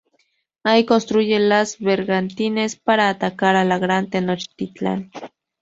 Ahí construye los bergantines para atacar a la gran Tenochtitlan.